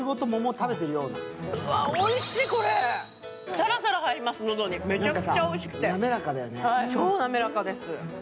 さらさら入ります、喉にめちゃくちゃおいしくて、超なめらかです。